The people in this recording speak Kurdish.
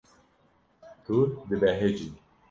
Tu dibehecî.